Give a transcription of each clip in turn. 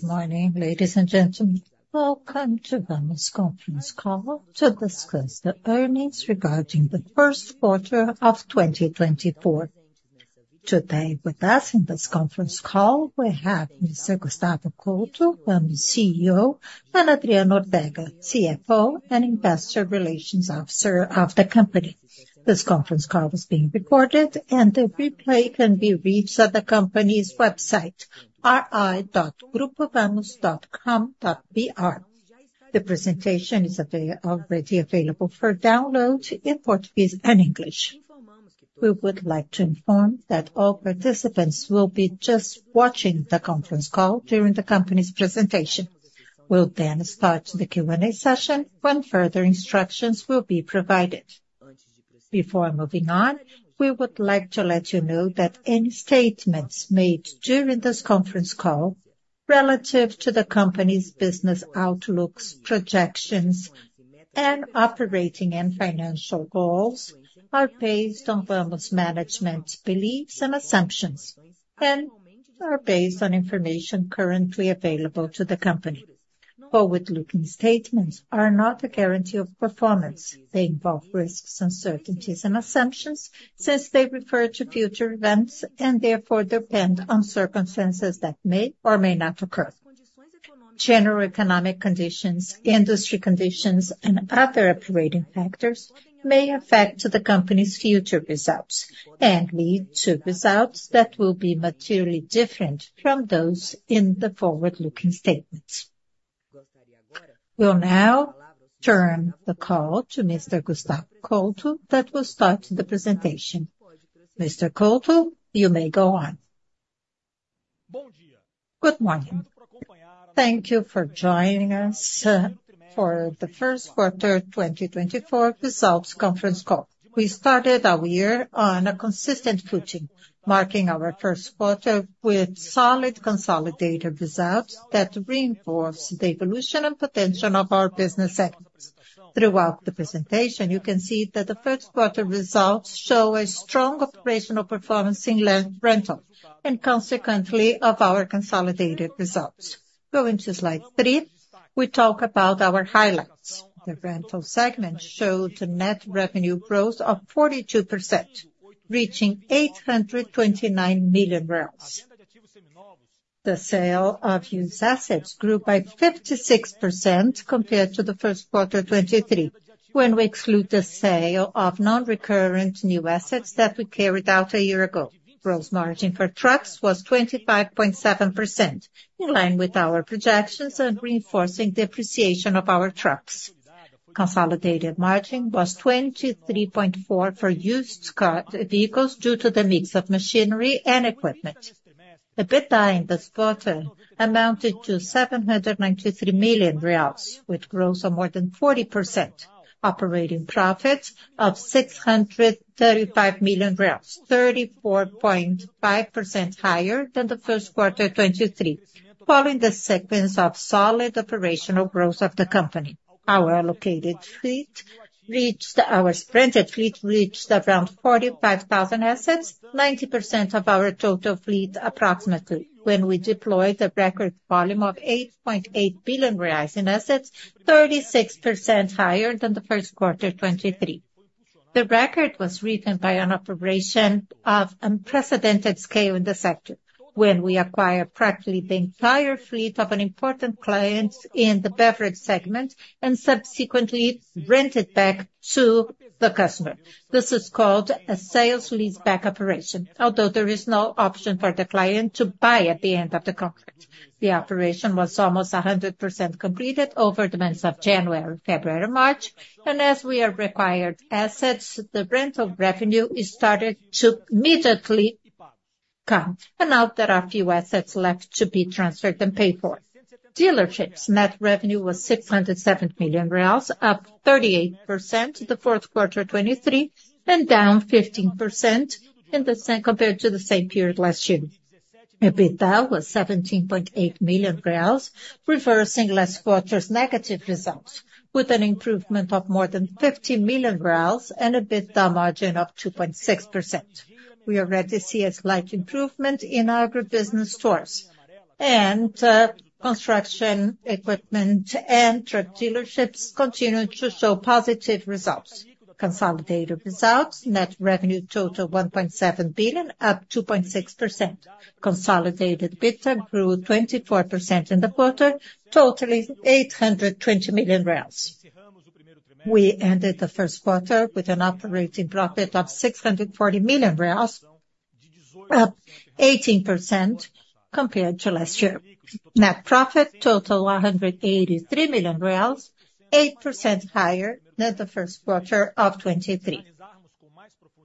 Good morning, ladies and gentlemen. Welcome to the Vamos conference call to discuss the earnings regarding the first quarter of 2024. Today, with us in this conference call, we have Mr. Gustavo Couto, Vamos CEO, and Adriano Ortega, CFO and Investor Relations Officer of the company. This conference call is being recorded, and the replay can be reached at the company's website, ri.grupovamos.com.br. The presentation is already available for download in Portuguese and English. We would like to inform that all participants will be just watching the conference call during the company's presentation. We'll then start the Q&A session when further instructions will be provided. Before moving on, we would like to let you know that any statements made during this conference call relative to the company's business outlooks, projections, and operating and financial goals are based on Vamos management's beliefs and assumptions, and are based on information currently available to the company. Forward-looking statements are not a guarantee of performance. They involve risks, uncertainties, and assumptions, since they refer to future events and therefore depend on circumstances that may or may not occur. General economic conditions, industry conditions, and other operating factors may affect the company's future results and lead to results that will be materially different from those in the forward-looking statements. We'll now turn the call to Mr. Gustavo Couto, that will start the presentation. Mr. Couto, you may go on. Good morning. Thank you for joining us for the first quarter 2024 results conference call. We started our year on a consistent footing, marking our first quarter with solid consolidated results that reinforce the evolution and potential of our business segments. Throughout the presentation, you can see that the first quarter results show a strong operational performance in Rental, and consequently, of our consolidated results. Going to slide three, we talk about our highlights. The rental segment showed a net revenue growth of 42%, reaching 829 million. The sale of used assets grew by 56% compared to the first quarter of 2023, when we exclude the sale of non-recurrent new assets that we carried out a year ago. Gross margin for trucks was 25.7%, in line with our projections and reinforcing depreciation of our trucks. Consolidated margin was 23.4% for used vehicles due to the mix of machinery and equipment. The EBITDA in this quarter amounted to BRL 793 million, with growth of more than 40%. Operating profits of BRL 635 million, 34.5% higher than the first quarter 2023, following the sequence of solid operational growth of the company. Our rented fleet reached around 45,000 assets, 90% of our total fleet, approximately, when we deployed a record volume of 8.8 billion reais in assets, 36% higher than the first quarter 2023. The record was driven by an operation of unprecedented scale in the sector, when we acquired practically the entire fleet of an important client in the beverage segment, and subsequently rent it back to the customer. This is called a sale-leaseback operation, although there is no option for the client to buy at the end of the contract. The operation was almost 100% completed over the months of January, February, and March, and as we acquired assets, the rental revenue is started to immediately count, and now there are few assets left to be transferred and paid for. Dealerships' net revenue was 607 million reais, up 38% to the fourth quarter 2023, and down 15% compared to the same period last year. EBITDA was 17.8 million reais, reversing last quarter's negative results, with an improvement of more than 50 million reais and EBITDA margin of 2.6%. We already see a slight improvement in our agribusiness stores, and construction equipment and truck dealerships continue to show positive results. Consolidated results, net revenue total 1.7 billion, up 2.6%. Consolidated EBITDA grew 24% in the quarter, totaling 820 million. We ended the first quarter with an operating profit of 640 million, up 18% compared to last year. Net profit total, 183 million reais, 8% higher than the first quarter of 2023.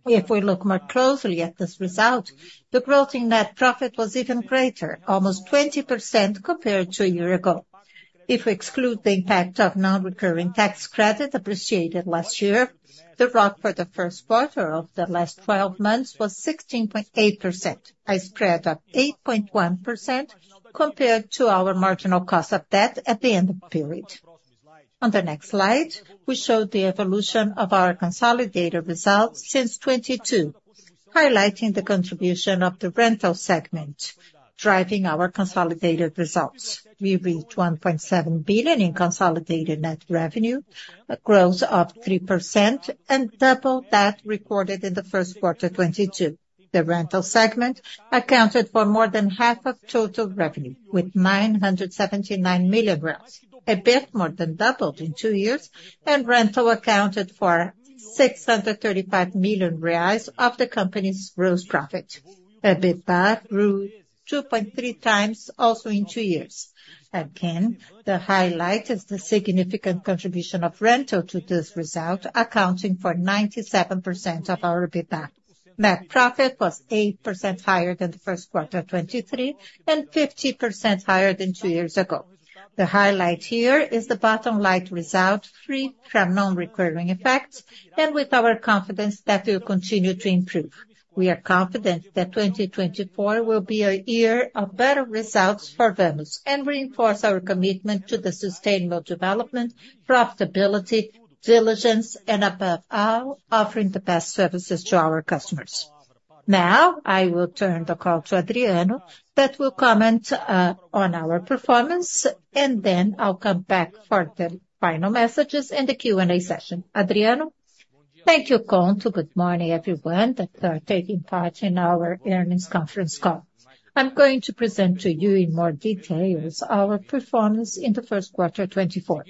If we look more closely at this result, the growth in net profit was even greater, almost 20% compared to a year ago. If we exclude the impact of non-recurring tax credit appreciated last year, the ROIC for the first quarter of the last twelve months was 16.8%, a spread of 8.1% compared to our marginal cost of debt at the end of the period. On the next slide, we show the evolution of our consolidated results since 2022, highlighting the contribution of the rental segment, driving our consolidated results. We reached 1.7 billion in consolidated net revenue, a growth of 3%, and double that recorded in the first quarter 2022. The rental segment accounted for more than half of total revenue, with 979 million growth, a bit more than doubled in two years, and rental accounted for 635 million reais of the company's gross profit. EBITDA grew 2.3 times, also in two years. Again, the highlight is the significant contribution of rental to this result, accounting for 97% of our EBITDA. Net profit was 8% higher than the first quarter 2023, and 50% higher than two years ago. The highlight here is the bottom line result, free from non-recurring effects and with our confidence that we will continue to improve. We are confident that 2024 will be a year of better results for Vamos, and reinforce our commitment to the sustainable development, profitability, diligence, and above all, offering the best services to our customers. Now, I will turn the call to Adriano, that will comment on our performance, and then I'll come back for the final messages and the Q&A session. Adriano? Thank you, Couto. Good morning, everyone, that are taking part in our earnings conference call. I'm going to present to you in more details our performance in the first quarter 2024.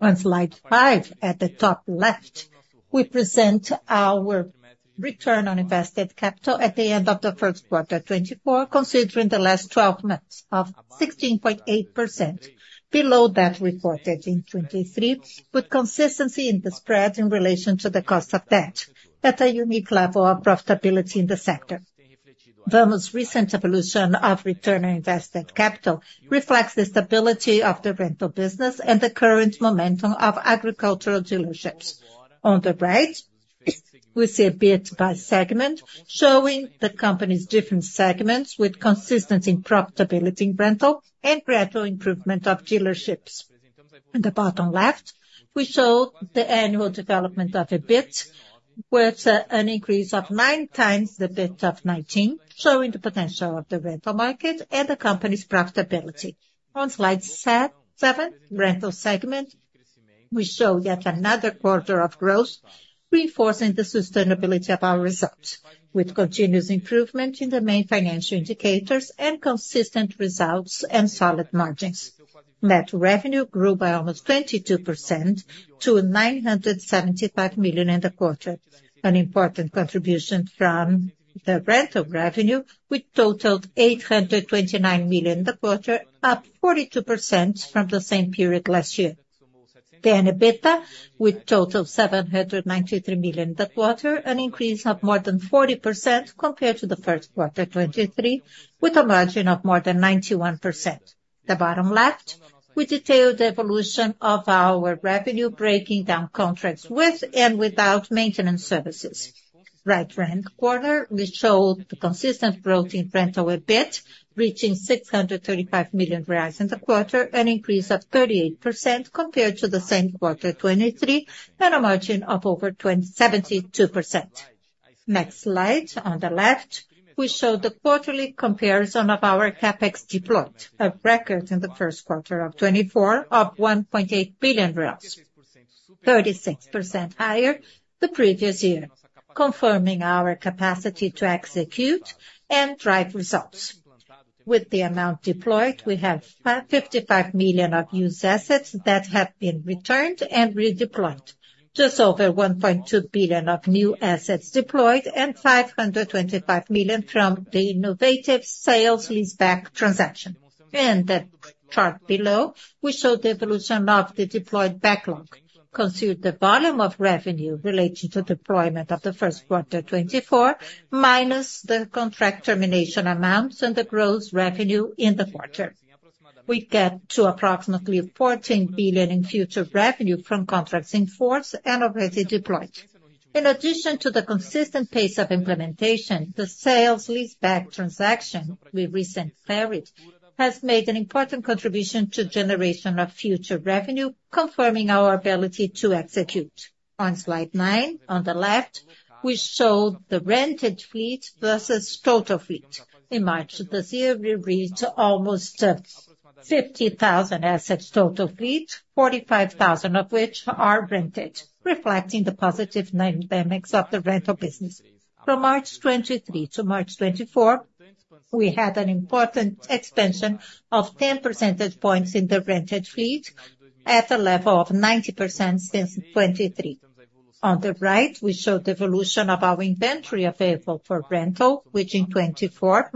On slide five, at the top left, we present our return on invested capital at the end of the first quarter 2024, considering the last twelve months of 16.8% below that reported in 2023, with consistency in the spread in relation to the cost of debt, at a unique level of profitability in the sector. Vamos' recent evolution of return on invested capital reflects the stability of the rental business and the current momentum of agricultural dealerships. On the right, we see a bit by segment, showing the company's different segments with consistency in profitability in rental and gradual improvement of dealerships. On the bottom left, we show the annual development of EBITDA, with an increase of nine times that of 2019, showing the potential of the rental market and the company's profitability. On slide seven, rental segment, we show yet another quarter of growth, reinforcing the sustainability of our results, with continuous improvement in the main financial indicators and consistent results and solid margins. Net revenue grew by almost 22% to 975 million in the quarter, an important contribution from the rental revenue, which totaled 829 million in the quarter, up 42% from the same period last year. The EBITDA, which totaled 793 million that quarter, an increase of more than 40% compared to the first quarter 2023, with a margin of more than 91%. The bottom left, we detail the evolution of our revenue, breaking down contracts with and without maintenance services. Right quarter, we show the consistent growth in rental EBITDA, reaching 635 million reais in the quarter, an increase of 38% compared to the same quarter 2023, and a margin of over 72%. Next slide, on the left, we show the quarterly comparison of our CapEx deployed, a record in the first quarter of 2024 of 1.8 billion, 36% higher the previous year, confirming our capacity to execute and drive results. With the amount deployed, we have 55 million of used assets that have been returned and redeployed. Just over 1.2 billion of new assets deployed, and 525 million from the innovative sale-leaseback transaction. In the chart below, we show the evolution of the deployed backlog, considered the volume of revenue relating to deployment of the first quarter 2024, minus the contract termination amounts and the gross revenue in the quarter. We get to approximately 14 billion in future revenue from contracts in force and already deployed. In addition to the consistent pace of implementation, the sale-leaseback transaction we recently closed has made an important contribution to generation of future revenue, confirming our ability to execute. On slide nine, on the left, we show the rented fleet versus total fleet. In March of this year, we reached almost 50,000 assets total fleet, 45,000 of which are rented, reflecting the positive dynamics of the rental business. From March 2023 to March 2024, we had an important expansion of 10 percentage points in the rented fleet at a level of 90% since 2023. On the right, we show the evolution of our inventory available for rental, which in March 2024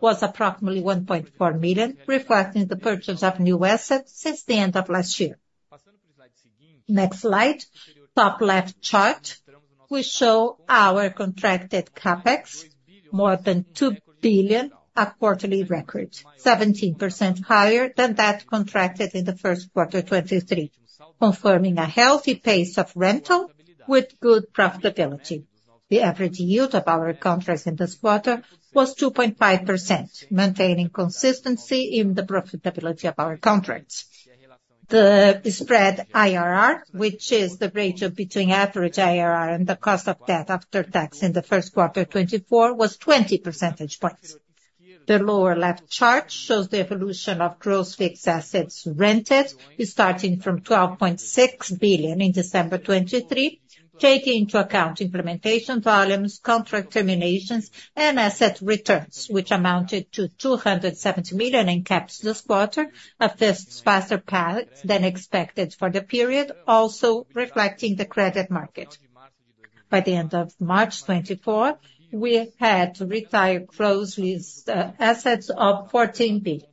was approximately 1.4 billion, reflecting the purchase of new assets since the end of last year. Next slide, top left chart, we show our contracted CapEx, more than 2 billion, a quarterly record, 17% higher than that contracted in the first quarter 2023, confirming a healthy pace of rental with good profitability. The average yield of our contracts in this quarter was 2.5%, maintaining consistency in the profitability of our contracts. The spread IRR, which is the ratio between average IRR and the cost of debt after tax in the first quarter 2024, was 20 percentage points. The lower left chart shows the evolution of gross fixed assets rented, starting from 12.6 billion in December 2023, taking into account implementation volumes, contract terminations, and asset returns, which amounted to 270 million in CapEx this quarter, a fifth faster path than expected for the period, also reflecting the credit market. By the end of March 2024, we had retired leased assets of 14 billion.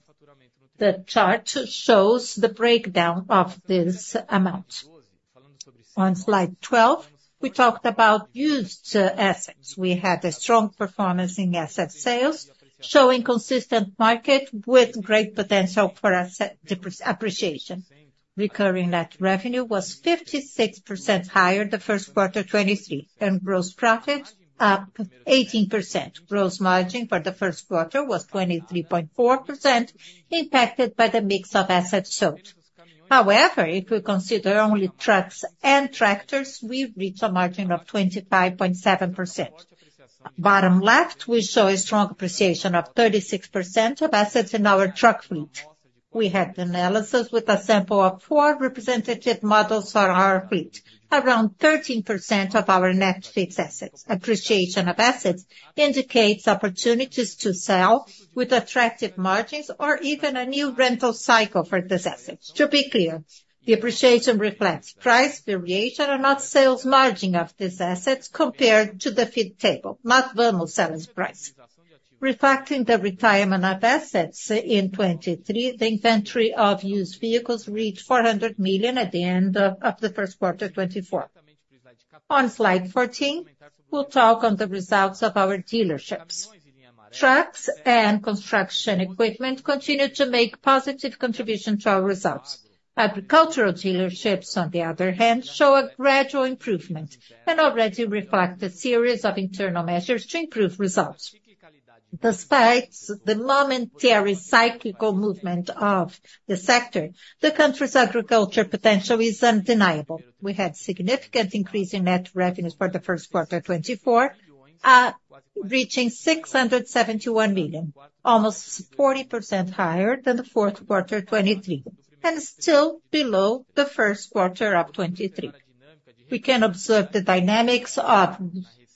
The chart shows the breakdown of this amount. On slide 12, we talked about used assets. We had a strong performance in asset sales, showing consistent market with great potential for asset appreciation. Recurring net revenue was 56% higher the first quarter 2023, and gross profit up 18%. Gross margin for the first quarter was 23.4%, impacted by the mix of assets sold. However, if we consider only trucks and tractors, we've reached a margin of 25.7%. Bottom left, we show a strong appreciation of 36% of assets in our truck fleet. We had analysis with a sample of four representative models for our fleet, around 13% of our net fleet's assets. Appreciation of assets indicates opportunities to sell with attractive margins or even a new rental cycle for these assets. To be clear, the appreciation reflects price variation and not sales margin of these assets compared to the Fipe table, not normal sales price. Reflecting the retirement of assets in 2023, the inventory of used vehicles reached 400 million at the end of the first quarter 2024. On slide 14, we'll talk on the results of our dealerships. Trucks and construction equipment continue to make positive contribution to our results. Agricultural dealerships, on the other hand, show a gradual improvement and already reflect a series of internal measures to improve results. Despite the momentary cyclical movement of the sector, the country's agriculture potential is undeniable. We had significant increase in net revenues for the first quarter 2024, reaching 671 million, almost 40% higher than the fourth quarter 2023, and still below the first quarter of 2023. We can observe the dynamics of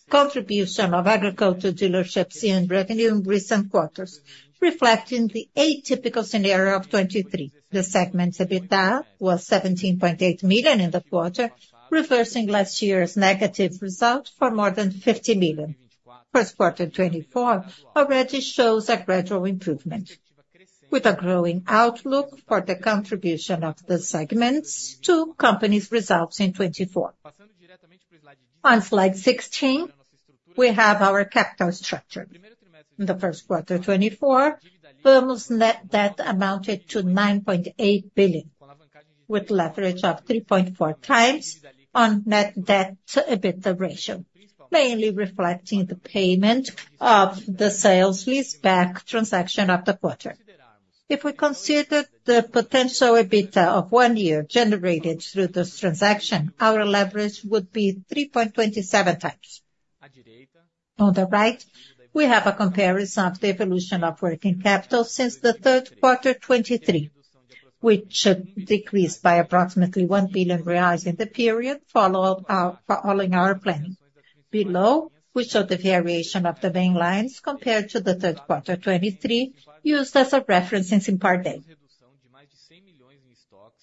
contribution of agricultural dealerships in revenue in recent quarters, reflecting the atypical scenario of 2023. The segment's EBITDA was 17.8 million in the quarter, reversing last year's negative result for more than 50 million. First quarter 2024 already shows a gradual improvement, with a growing outlook for the contribution of the segments to company's results in 2024. On slide 16, we have our capital structure. In the first quarter 2024, Vamos's net debt amounted to 9.8 billion, with leverage of 3.4x on net debt-to-EBITDA ratio, mainly reflecting the payment of the sale-leaseback transaction of the quarter. If we consider the potential EBITDA of one year generated through this transaction, our leverage would be 3.27x. On the right, we have a comparison of the evolution of working capital since the third quarter 2023, which decreased by approximately 1 billion reais in the period, following our planning. Below, we show the variation of the main lines compared to the third quarter 2023, used as a reference in Simpar Day.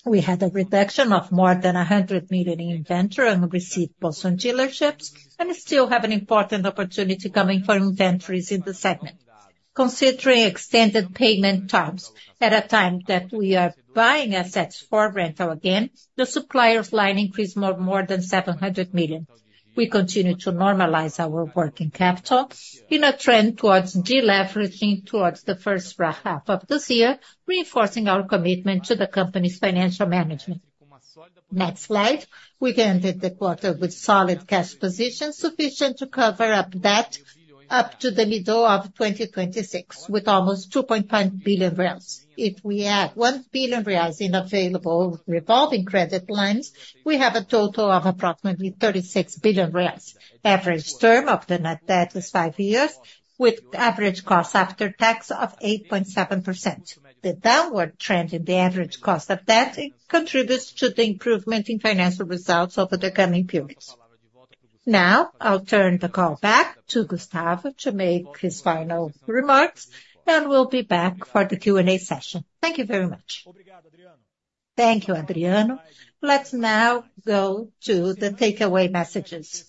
We had a reduction of more than 100 million in inventory and receivables on dealerships, and we still have an important opportunity coming for inventories in the segment. Considering extended payment terms, at a time that we are buying assets for rental again, the suppliers' line increased more than 700 million. We continue to normalize our working capital in a trend towards deleveraging towards the first half of this year, reinforcing our commitment to the company's financial management. Next slide, we ended the quarter with solid cash position, sufficient to cover up debt up to the middle of 2026, with almost 2.5 billion reais. If we add 1 billion reais in available revolving credit lines, we have a total of approximately 36 billion reais. Average term of the net debt is five years, with average cost after tax of 8.7%. The downward trend in the average cost of debt contributes to the improvement in financial results over the coming periods. Now, I'll turn the call back to Gustavo to make his final remarks, and we'll be back for the Q&A session. Thank you very much. Thank you, Adriano. Let's now go to the takeaway messages.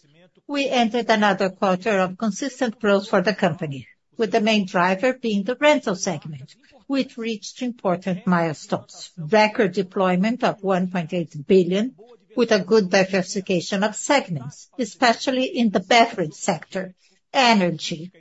We entered another quarter of consistent growth for the company, with the main driver being the rental segment, which reached important milestones. Record deployment of 1.8 billion, with a good diversification of segments, especially in the beverage sector, energy,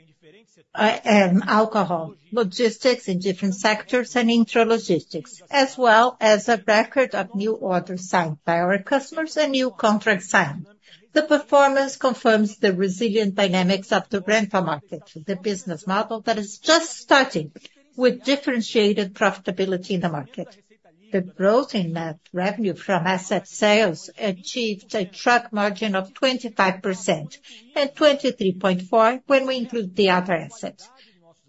and alcohol, logistics in different sectors, and intra-logistics, as well as a record of new orders signed by our customers and new contracts signed. The performance confirms the resilient dynamics of the rental market, the business model that is just starting with differentiated profitability in the market. The growth in net revenue from asset sales achieved a truck margin of 25%, and 23.4% when we include the other assets.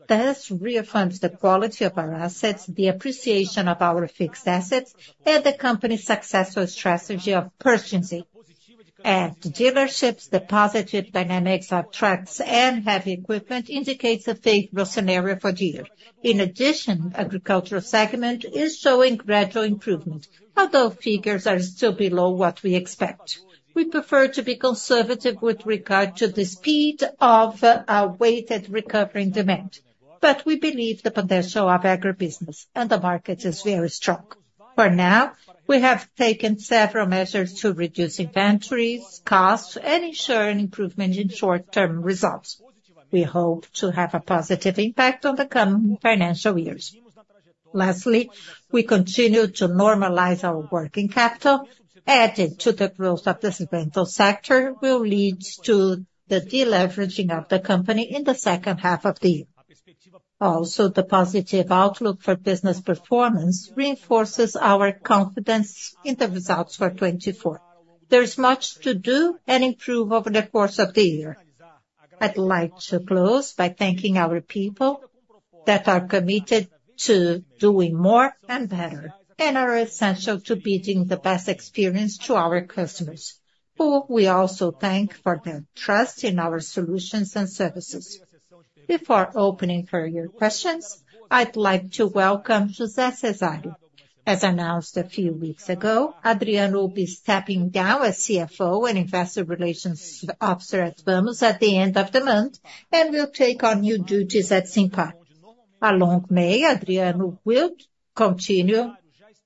Thus reaffirms the quality of our assets, the appreciation of our fixed assets, and the company's successful strategy of purchasing. At the dealerships, the positive dynamics of trucks and heavy equipment indicates a favorable scenario for the year. In addition, agricultural segment is showing gradual improvement, although figures are still below what we expect. We prefer to be conservative with regard to the speed of, our weighted recovery in demand, but we believe the potential of agribusiness and the market is very strong. For now, we have taken several measures to reduce inventories, costs, and ensure an improvement in short-term results. We hope to have a positive impact on the coming financial years. Lastly, we continue to normalize our working capital, added to the growth of this rental sector, will lead to the deleveraging of the company in the second half of the year. Also, the positive outlook for business performance reinforces our confidence in the results for 2024. There is much to do and improve over the course of the year. I'd like to close by thanking our people that are committed to doing more and better, and are essential to building the best experience to our customers, who we also thank for their trust in our solutions and services. Before opening for your questions, I'd like to welcome José Cezário. As announced a few weeks ago, Adriano will be stepping down as CFO and Investor Relations Officer at Vamos at the end of the month, and will take on new duties at Simpar. Along May, Adriano will continue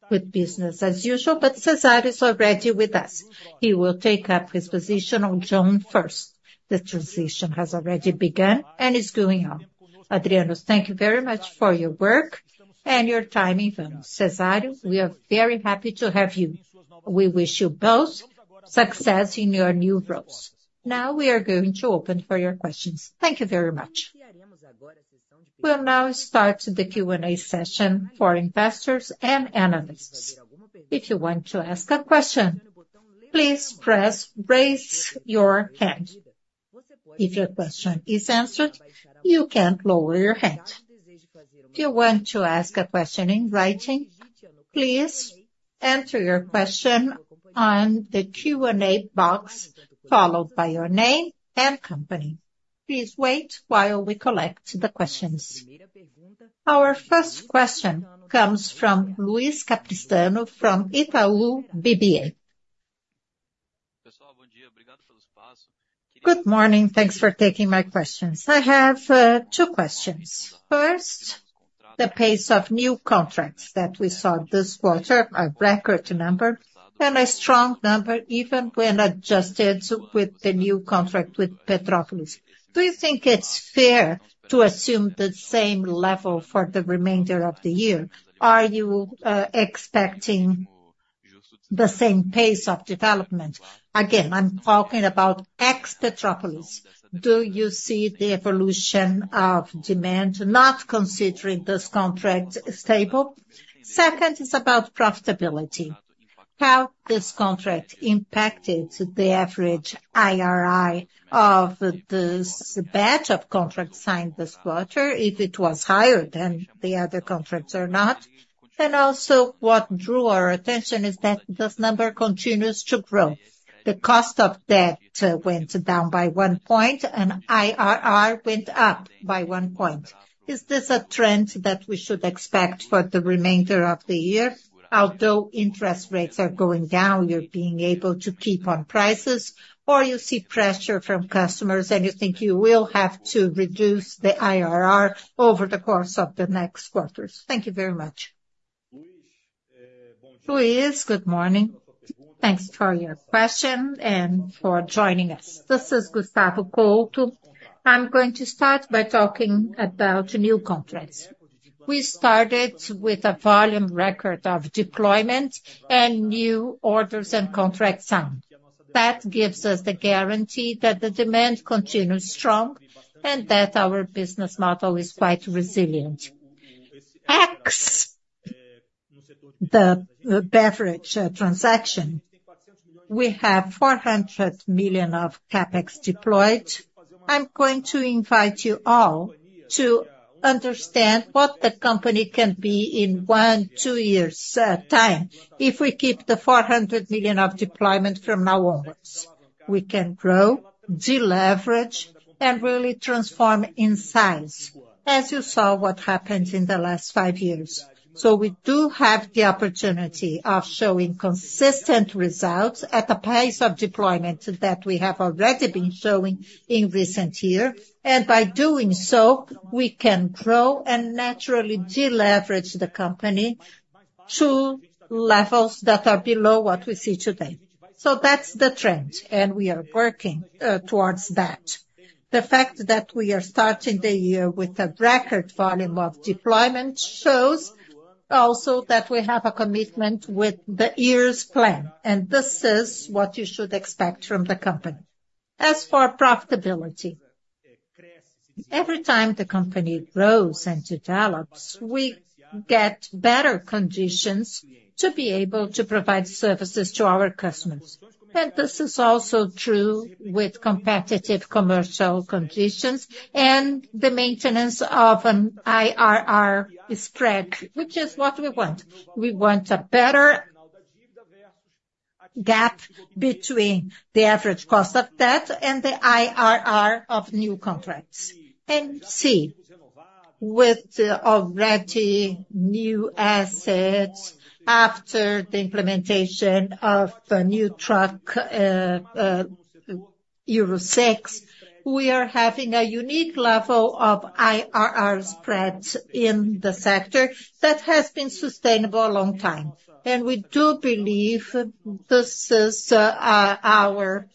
with business as usual, but Cezário is already with us. He will take up his position on June first. The transition has already begun and is going on. Adriano, thank you very much for your work and your time in Vamos. Cezário, we are very happy to have you. We wish you both success in your new roles. Now, we are going to open for your questions. Thank you very much. We'll now start the Q&A session for investors and analysts. If you want to ask a question, please press Raise Your Hand. If your question is answered, you can lower your hand. If you want to ask a question in writing, please enter your question on the Q&A box, followed by your name and company. Please wait while we collect the questions. Our first question comes from Luiz Capistrano from Itaú BBA. Good morning. Thanks for taking my questions. I have two questions. First, the pace of new contracts that we saw this quarter, a record number and a strong number, even when adjusted with the new contract with Petrópolis. Do you think it's fair to assume the same level for the remainder of the year? Are you expecting the same pace of development? Again, I'm talking about ex-Petrópolis. Do you see the evolution of demand, not considering this contract, stable? Second, it's about profitability. How this contract impacted the average IRR of this batch of contracts signed this quarter, if it was higher than the other contracts or not? And also, what drew our attention is that this number continues to grow. The cost of debt went down by one point, and IRR went up by one point. Is this a trend that we should expect for the remainder of the year? Although interest rates are going down, you're being able to keep on prices, or you see pressure from customers, and you think you will have to reduce the IRR over the course of the next quarters? Thank you very much. Luiz, good morning. Thanks for your question and for joining us. This is Gustavo Couto. I'm going to start by talking about new contracts. We started with a volume record of deployment and new orders and contracts signed. That gives us the guarantee that the demand continues strong, and that our business model is quite resilient. Ex the beverage transaction, we have 400 million of CapEx deployed. I'm going to invite you all to understand what the company can be in one, two years time if we keep the 400 million of deployment from now onwards. We can grow, deleverage, and really transform in size, as you saw what happened in the last five years. So we do have the opportunity of showing consistent results at a pace of deployment that we have already been showing in recent year. And by doing so, we can grow and naturally deleverage the company to levels that are below what we see today. So that's the trend, and we are working towards that. The fact that we are starting the year with a record volume of deployment shows also that we have a commitment with the year's plan, and this is what you should expect from the company. As for profitability, every time the company grows and develops, we get better conditions to be able to provide services to our customers. And this is also true with competitive commercial conditions and the maintenance of an IRR spread, which is what we want. We want a better gap between the average cost of debt and the IRR of new contracts. And c, with the already new assets, after the implementation of the new truck, Euro 6, we are having a unique level of IRR spread in the sector that has been sustainable a long time, and we do believe this is, our reality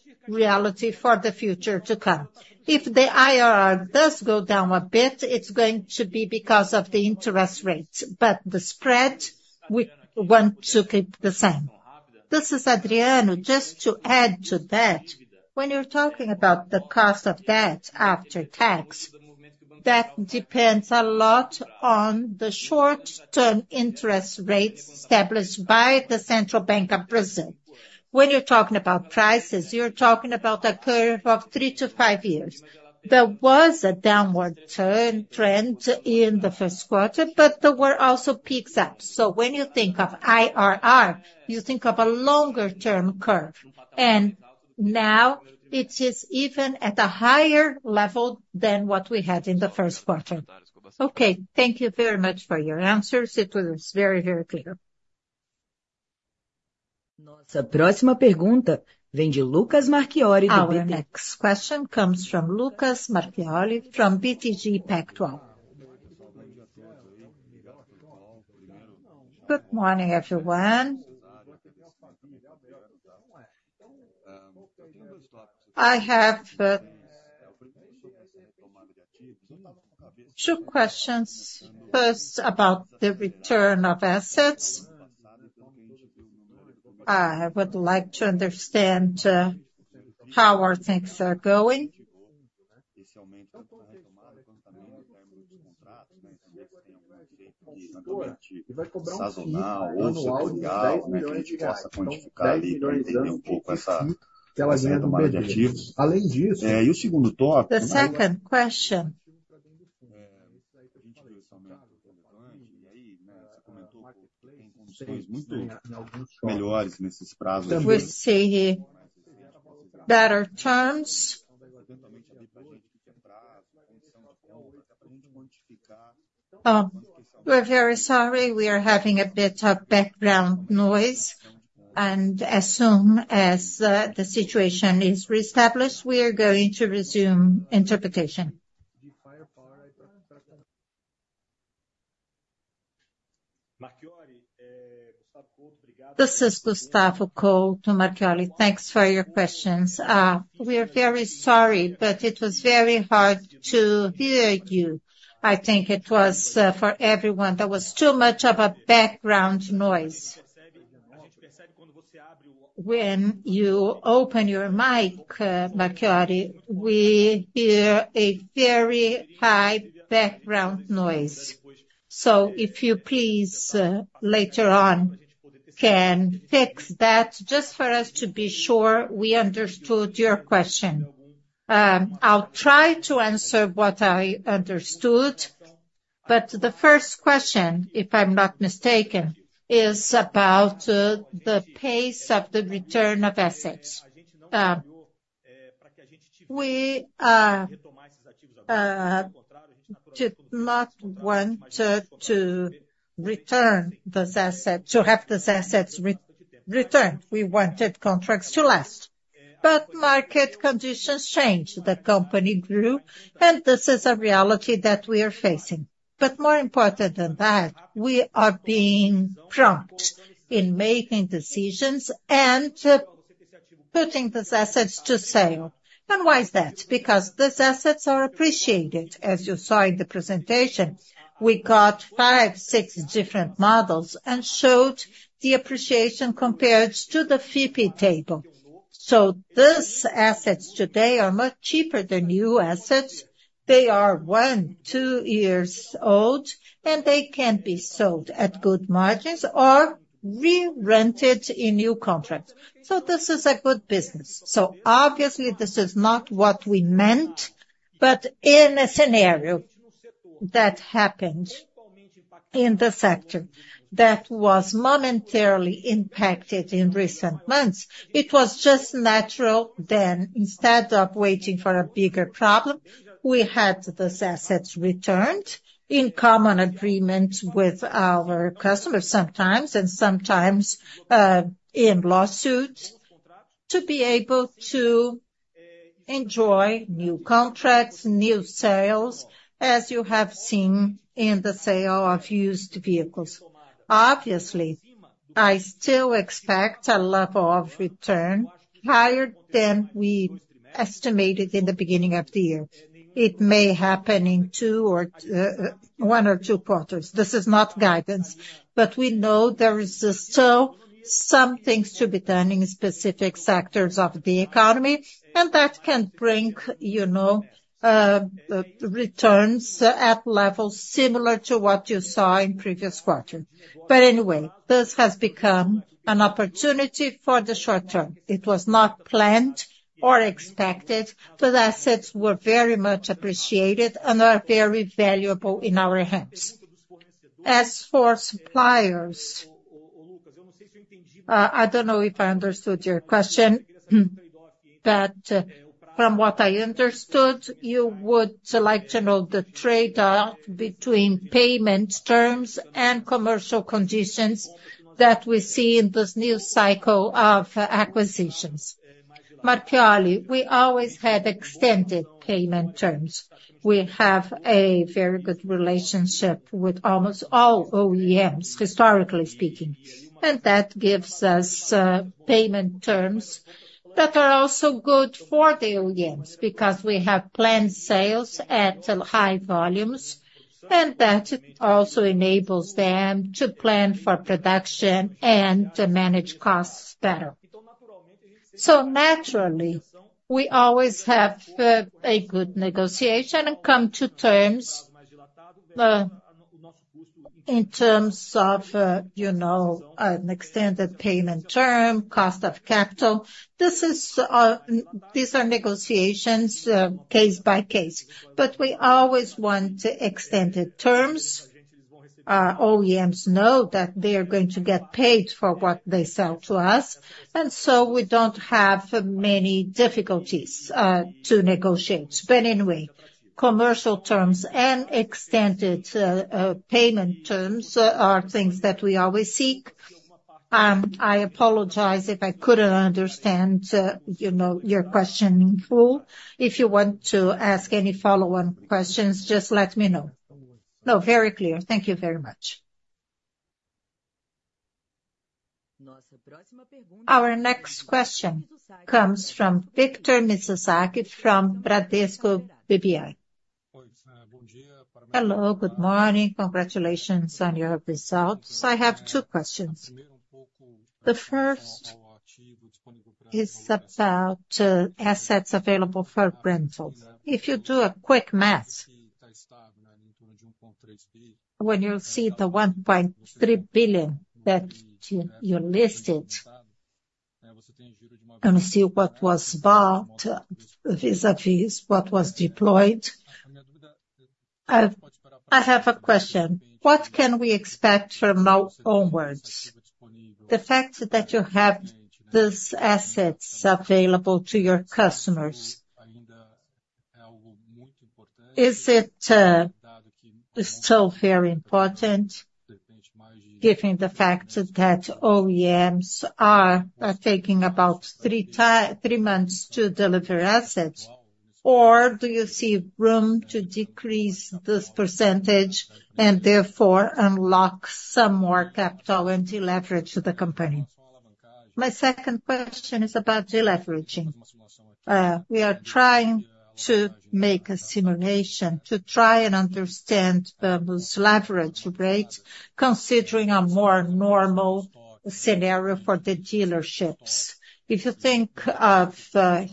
for the future to come. If the IRR does go down a bit, it's going to be because of the interest rates, but the spread, we want to keep the same. This is Adriano. Just to add to that, when you're talking about the cost of debt after tax, that depends a lot on the short-term interest rates established by the Central Bank of Brazil. When you're talking about prices, you're talking about a period of three to five years. There was a downward trend in the first quarter, but there were also peaks up. So when you think of IRR, you think of a longer term curve, and now it is even at a higher level than what we had in the first quarter. Okay, thank you very much for your answers. It was very, very clear. Our next question comes from Lucas Marquiori, from BTG Pactual. Good morning, everyone. I have two questions. First, about the return of assets. I would like to understand how things are going. The second question. We see better terms. We're very sorry. We are having a bit of background noise, and as soon as the situation is reestablished, we are going to resume interpretation. This is Gustavo Couto, Marquiori. Thanks for your questions. We are very sorry, but it was very hard to hear you. I think it was for everyone. There was too much of a background noise. When you open your mic, Marquiori, we hear a very high background noise. So if you please, later on, can fix that just for us to be sure we understood your question. I'll try to answer what I understood, but the first question, if I'm not mistaken, is about the pace of the return of assets. We did not want to return those assets to have those assets re-returned. We wanted contracts to last, but market conditions changed. The company grew, and this is a reality that we are facing. But more important than that, we are being prompt in making decisions and putting these assets to sale. And why is that? Because these assets are appreciated. As you saw in the presentation, we got five, six different models and showed the appreciation compared to the Fipe Table. So these assets today are much cheaper than new assets. They are one, two years old, and they can be sold at good margins or re-rented in new contracts. So this is a good business. So obviously, this is not what we meant, but in a scenario that happened in the sector, that was momentarily impacted in recent months, it was just natural then, instead of waiting for a bigger problem, we had those assets returned in common agreement with our customers, sometimes, and sometimes in lawsuits, to be able to enjoy new contracts, new sales, as you have seen in the sale of used vehicles. Obviously, I still expect a level of return higher than we estimated in the beginning of the year. It may happen in two or one or two quarters. This is not guidance, but we know there is still some things to be done in specific sectors of the economy, and that can bring, you know, returns at levels similar to what you saw in previous quarters. But anyway, this has become an opportunity for the short term. It was not planned or expected. Those assets were very much appreciated and are very valuable in our hands. As for suppliers, I don't know if I understood your question, but from what I understood, you would like to know the trade-off between payment terms and commercial conditions that we see in this new cycle of acquisitions. Marquiori, we always had extended payment terms. We have a very good relationship with almost all OEMs, historically speaking, and that gives us payment terms that are also good for the OEMs, because we have planned sales at high volumes, and that also enables them to plan for production and to manage costs better. So naturally, we always have a good negotiation and come to terms in terms of you know an extended payment term, cost of capital. This is these are negotiations case by case. But we always want extended terms. Our OEMs know that they are going to get paid for what they sell to us, and so we don't have many difficulties to negotiate. But anyway, commercial terms and extended payment terms are things that we always seek. I apologize if I couldn't understand you know your question in full. If you want to ask any follow-on questions, just let me know. No, very clear. Thank you very much. Our next question comes from Victor Mizusaki from Bradesco BBI. Hello, good morning. Congratulations on your results. I have two questions. The first is about assets available for rentals. If you do a quick math, when you see the 1.3 billion that you listed, and you see what was bought vis-à-vis what was deployed, I have a question: What can we expect from now onwards? The fact that you have these assets available to your customers... Is it still very important, given the fact that OEMs are taking about three months to deliver assets? Or do you see room to decrease this percentage and therefore unlock some more capital and deleverage the company? My second question is about deleveraging. We are trying to make a simulation to try and understand this leverage rate, considering a more normal scenario for the dealerships. If you think of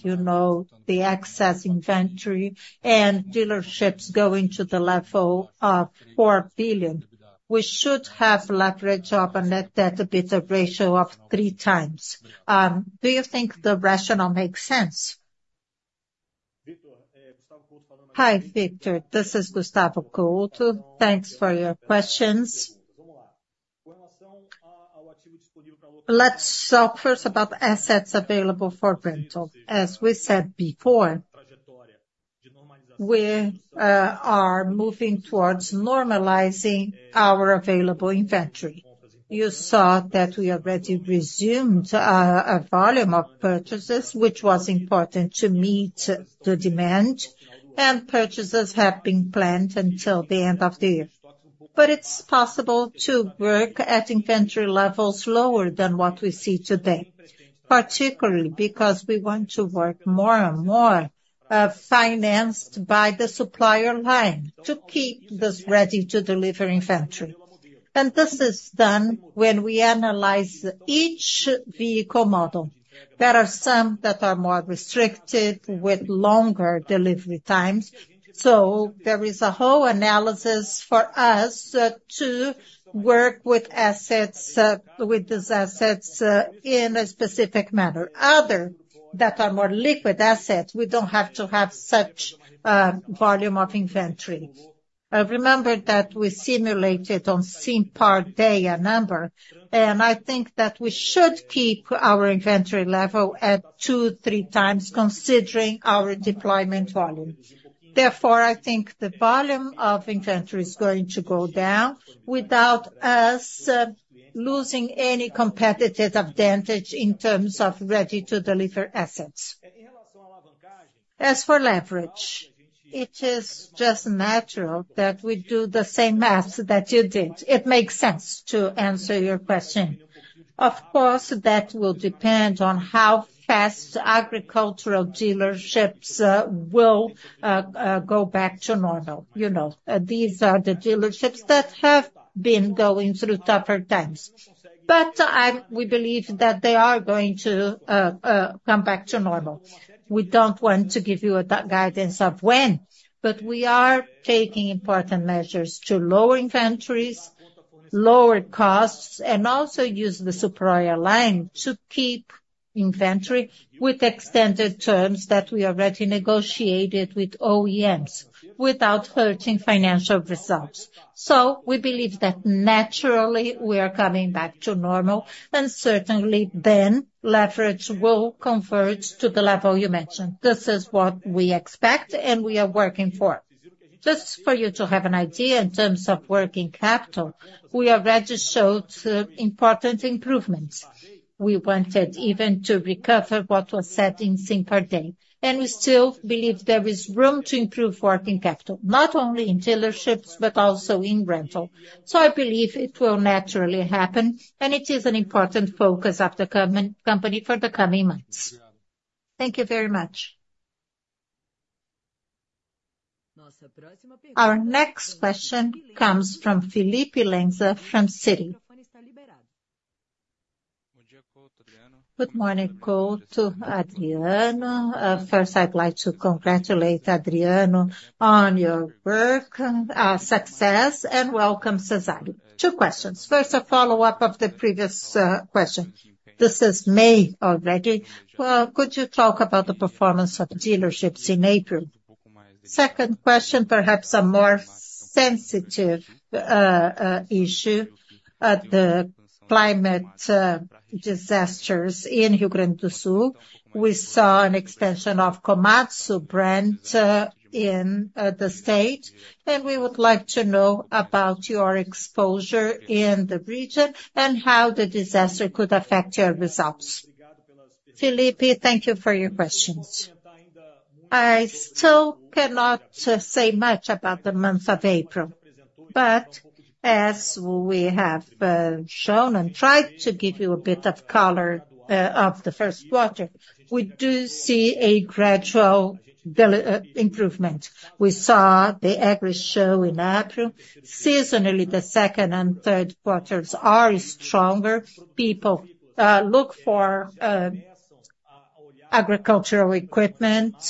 you know, the excess inventory and dealerships going to the level of 4 billion, we should have leverage of a net debt to EBITDA ratio of 3x. Do you think the rationale makes sense? Hi, Victor, this is Gustavo Couto. Thanks for your questions. Let's talk first about assets available for rental. As we said before, we are moving towards normalizing our available inventory. You saw that we already resumed a volume of purchases, which was important to meet the demand, and purchases have been planned until the end of the year. But it's possible to work at inventory levels lower than what we see today, particularly because we want to work more and more, financed by the supplier line to keep this ready-to-deliver inventory. And this is done when we analyze each vehicle model. There are some that are more restricted with longer delivery times, so there is a whole analysis for us, to work with assets, with these assets, in a specific manner. Others that are more liquid assets, we don't have to have such, volume of inventory. Remember that we simulated on Simpar day a number, and I think that we should keep our inventory level at two-three times, considering our deployment volume. Therefore, I think the volume of inventory is going to go down without us losing any competitive advantage in terms of ready-to-deliver assets... As for leverage, it is just natural that we do the same math that you did. It makes sense, to answer your question. Of course, that will depend on how fast agricultural dealerships will go back to normal. You know, these are the dealerships that have been going through tougher times. But we believe that they are going to come back to normal. We don't want to give you that guidance of when, but we are taking important measures to lower inventories, lower costs, and also use the supplier line to keep inventory with extended terms that we already negotiated with OEMs, without hurting financial results. So we believe that naturally, we are coming back to normal, and certainly then, leverage will convert to the level you mentioned. This is what we expect, and we are working for. Just for you to have an idea in terms of working capital, we already showed important improvements. We wanted even to recover what was said in Simpar Day, and we still believe there is room to improve working capital, not only in dealerships, but also in rental. So I believe it will naturally happen, and it is an important focus of the company for the coming months. Thank you very much. Our next question comes from Felipe Lenza, from Citi. Good morning, Couto, Adriano. First, I'd like to congratulate Adriano on your work and success, and welcome, Cezário. Two questions. First, a follow-up of the previous question. This is May already. Well, could you talk about the performance of dealerships in April? Second question, perhaps a more sensitive issue. The climate disasters in Rio Grande do Sul. We saw an expansion of Komatsu brand in the state, and we would like to know about your exposure in the region and how the disaster could affect your results. Filipe, thank you for your questions. I still cannot say much about the month of April, but as we have shown and tried to give you a bit of color of the first quarter, we do see a gradual improvement. We saw the Agrishow in April. Seasonally, the second and third quarters are stronger. People look for agricultural equipment.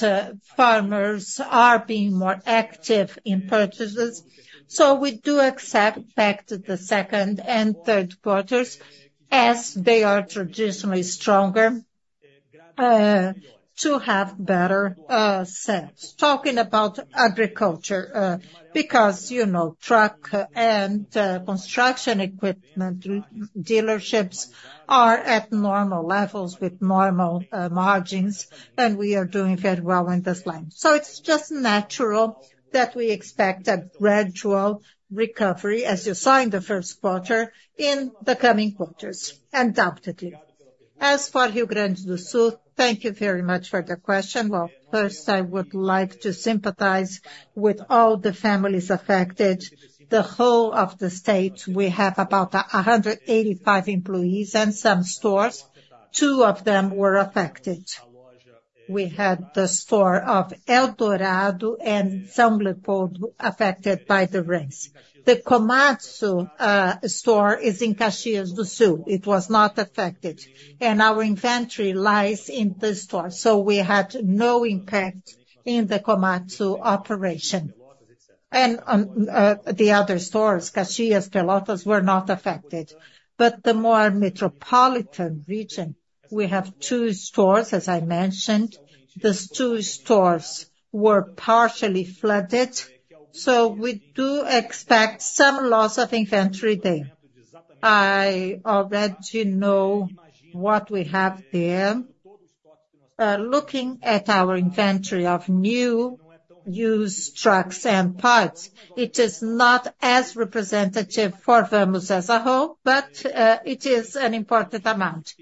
Farmers are being more active in purchases, so we do expect back to the second and third quarters, as they are traditionally stronger, to have better sales. Talking about agriculture, because, you know, truck and construction equipment dealerships are at normal levels with normal margins, and we are doing very well in this line. So it's just natural that we expect a gradual recovery, as you saw in the first quarter, in the coming quarters, undoubtedly. As for Rio Grande do Sul, thank you very much for the question. Well, first, I would like to sympathize with all the families affected. The whole of the state, we have about 185 employees and some stores. Two of them were affected. We had the store of Eldorado and São Leopoldo affected by the rains. The Komatsu store is in Caxias do Sul. It was not affected, and our inventory lies in the store, so we had no impact in the Komatsu operation. And the other stores, Caxias, Pelotas, were not affected. But the more metropolitan region, we have two stores, as I mentioned. These two stores were partially flooded, so we do expect some loss of inventory there. I already know what we have there. Looking at our inventory of new, used trucks and parts, it is not as representative for Vamos as a whole, but it is an important amount.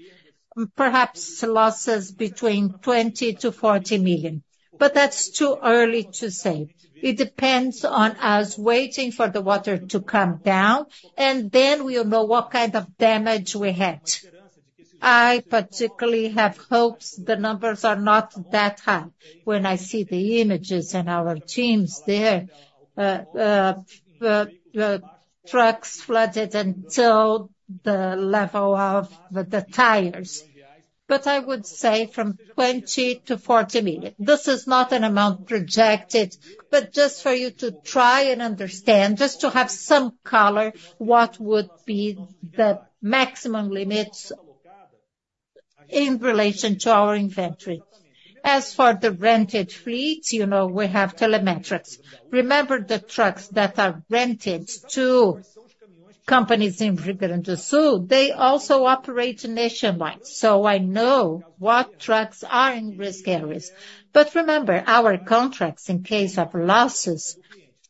Perhaps losses between 20 million-40 million, but that's too early to say. It depends on us waiting for the water to come down, and then we'll know what kind of damage we had. I particularly have hopes the numbers are not that high. When I see the images and our teams there, the trucks flooded until the level of the tires. But I would say from 20 million-40 million. This is not an amount projected, but just for you to try and understand, just to have some color, what would be the maximum limits in relation to our inventory. As for the rented fleets, you know, we have telemetrics. Remember, the trucks that are rented to companies in Rio Grande do Sul, they also operate nationwide, so I know what trucks are in risk areas. But remember, our contracts, in case of losses,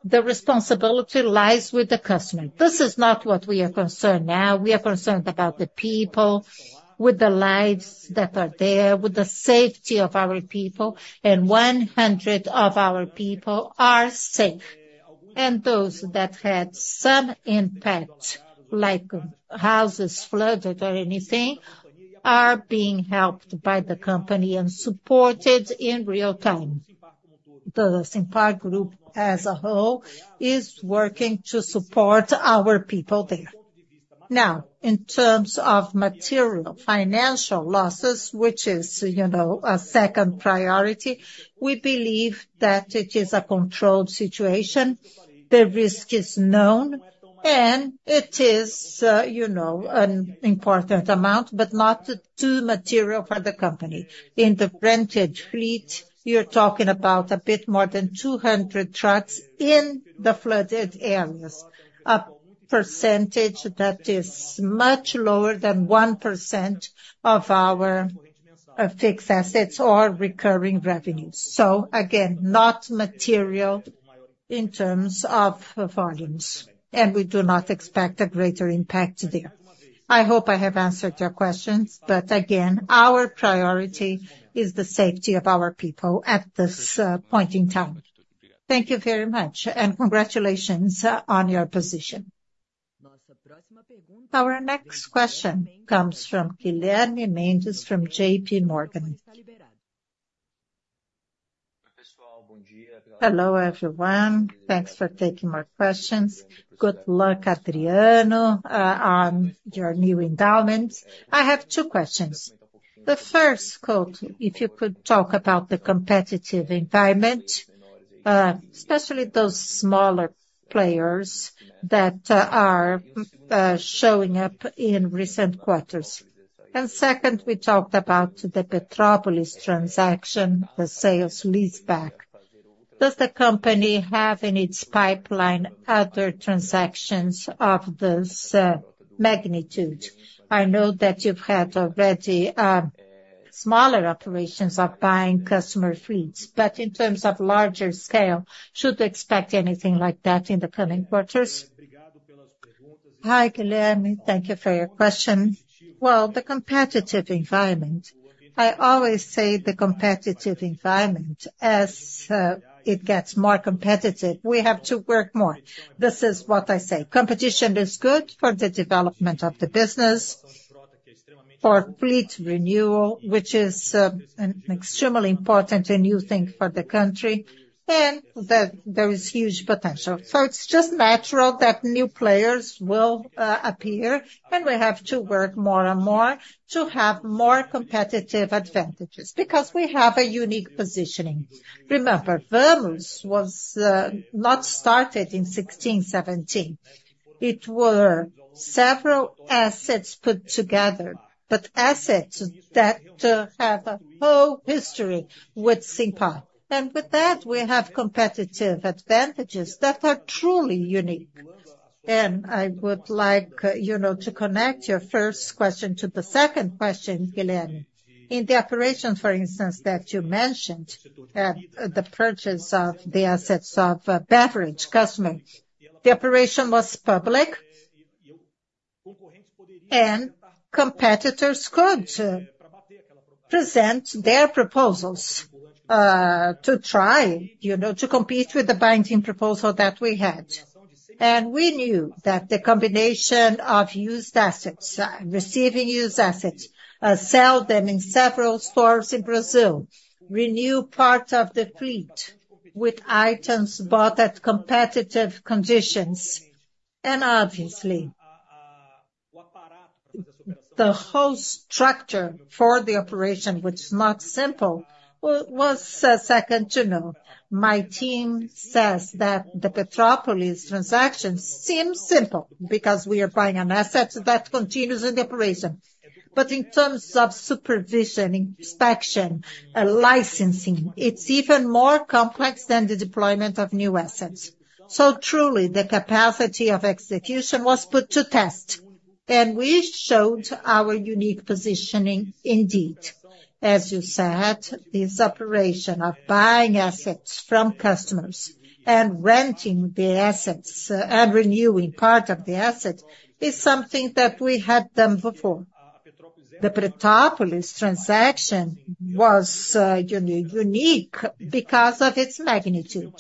the responsibility lies with the customer. This is not what we are concerned now. We are concerned about the people, with the lives that are there, with the safety of our people, and 100 of our people are safe. Those that had some impact, like houses flooded or anything, are being helped by the company and supported in real time. The Simpar group, as a whole, is working to support our people there. Now, in terms of material, financial losses, which is, you know, a second priority, we believe that it is a controlled situation, the risk is known, and it is, you know, an important amount, but not too material for the company. In the rented fleet, you're talking about a bit more than 200 trucks in the flooded areas. A percentage that is much lower than 1% of our fixed assets or recurring revenues. So again, not material in terms of volumes, and we do not expect a greater impact there. I hope I have answered your questions, but again, our priority is the safety of our people at this point in time. Thank you very much, and congratulations on your position. Our next question comes from Guilherme Mendes from JPMorgan. Hello, everyone. Thanks for taking my questions. Good luck, Adriano, on your new endeavor. I have two questions: the first, Couto, if you could talk about the competitive environment, especially those smaller players that are showing up in recent quarters. And second, we talked about the Petrópolis transaction, the sale-leaseback. Does the company have in its pipeline other transactions of this magnitude? I know that you've had already smaller operations of buying customer fleets, but in terms of larger scale, should we expect anything like that in the coming quarters? Hi, Guilherme. Thank you for your question. Well, the competitive environment, I always say the competitive environment, as it gets more competitive, we have to work more. This is what I say. Competition is good for the development of the business, for fleet renewal, which is an extremely important and new thing for the country, and that there is huge potential. So it's just natural that new players will appear, and we have to work more and more to have more competitive advantages, because we have a unique positioning. Remember, Vamos was not started in 2016, 2017. It were several assets put together, but assets that have a whole history with Simpar. And with that, we have competitive advantages that are truly unique. And I would like, you know, to connect your first question to the second question, Guilherme. In the operations, for instance, that you mentioned, the purchase of the assets of, Beverage Customer, the operation was public, and competitors could present their proposals, to try, you know, to compete with the binding proposal that we had. And we knew that the combination of used assets, receiving used assets, sell them in several stores in Brazil, renew part of the fleet with items bought at competitive conditions, and obviously, the whole structure for the operation, which is not simple, was second to none. My team says that the Petrópolis transaction seems simple because we are buying an asset that continues in the operation. But in terms of supervision, inspection, licensing, it's even more complex than the deployment of new assets. So truly, the capacity of execution was put to test, and we showed our unique positioning indeed. As you said, this operation of buying assets from customers and renting the assets, and renewing part of the asset, is something that we had done before. The Petrópolis transaction was unique because of its magnitude.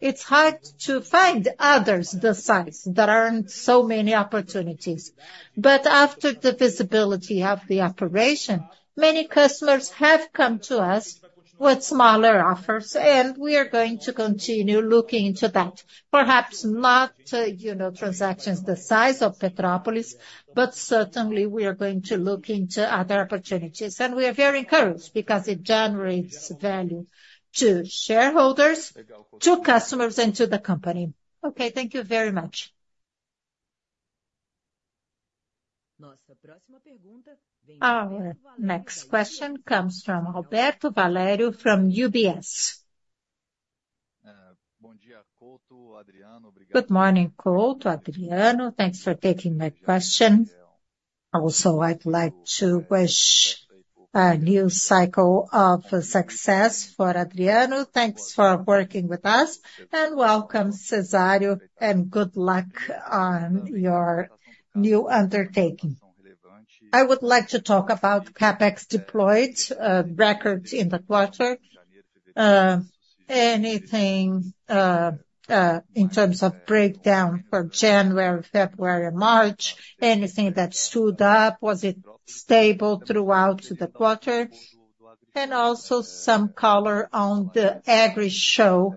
It's hard to find others the size. There aren't so many opportunities. But after the visibility of the operation, many customers have come to us with smaller offers, and we are going to continue looking into that. Perhaps not, you know, transactions the size of Petrópolis, but certainly, we are going to look into other opportunities, and we are very encouraged because it generates value to shareholders, to customers, and to the company. Okay, thank you very much. Our next question comes from Alberto Valerio from UBS. Good morning, Couto, Adriano. Thanks for taking my question. Also, I'd like to wish a new cycle of success for Adriano. Thanks for working with us, and welcome, Césario, and good luck on your new undertaking. I would like to talk about CapEx deployed, records in the quarter. Anything, in terms of breakdown for January, February, and March, anything that stood up, was it stable throughout the quarter? And also some color on the Agrishow,